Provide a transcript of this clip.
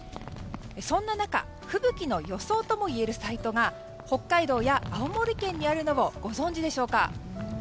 そんな中吹雪の予想ともいえるサイトが北海道や青森県にあるのをご存じでしょうか。